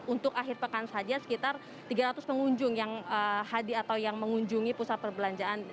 untuk akhir pekan saja sekitar tiga ratus pengunjung yang mengunjungi pusat perbelanjaan